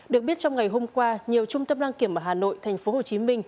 được biết trong ngày hôm qua nhiều trung tâm đăng kiểm ở hà nội tp hcm